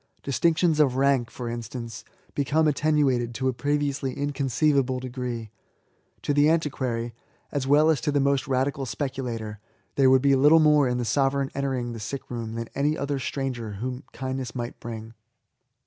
Distinctions of rank^ for instance^ become attenuated to a previously inconceivable degree. To the antiquary, a» well as to the most radical speculator, there would be little more in the sovereign entering the sick room than any other stranger whom kindness might bring.